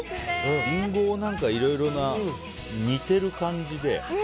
リンゴを何かいろいろな煮てる感じで。